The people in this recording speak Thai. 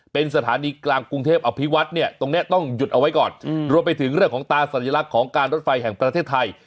เป็นสถานีกลางกรุงเทพอภิวัตเนี่ยตรงนี้ต้องหยุดเอาไว้ก่อนรวมไปถึงเรื่องของตาสัญลักษณ์ของการรถไฟแห่งประเทศไทย